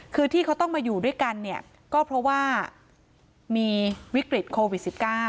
คือที่เขาต้องมาอยู่ด้วยกันเนี่ยก็เพราะว่ามีวิกฤตโควิด๑๙